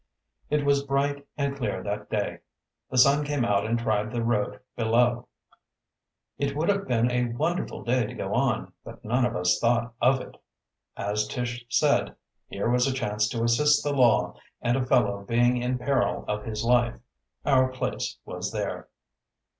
It was bright and clear that day. The sun came out and dried the road below. It would have been a wonderful day to go on, but none of us thought of it. As Tish said, here was a chance to assist the law and a fellow being in peril of his life. Our place was there.